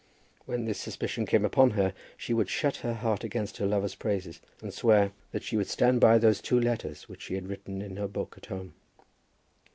When this suspicion came upon her she would shut her heart against her lover's praises, and swear that she would stand by those two letters which she had written in her book at home.